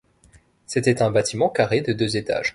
C'était un bâtiment carré de deux étages.